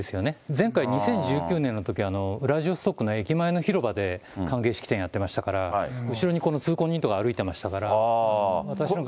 前回２０１９年のときは、ウラジオストクの駅前の広場で歓迎式典やってましたから、後ろに通行人とか歩いてましたから。